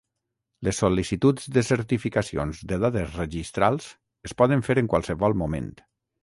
Les sol·licituds de certificacions de dades registrals es poden fer en qualsevol moment.